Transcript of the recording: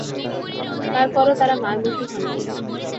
তার পরও তাঁরা মারমুখো হননি।